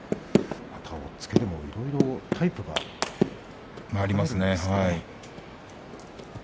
押っつけもいろいろタイプがあるんですね。